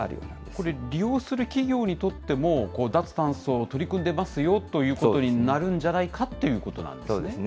これ、利用する企業にとっても、脱炭素を取り組んでますよということになるんじゃないかというこそうですね。